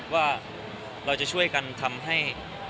ว่าเราจะช่วยกันทำให้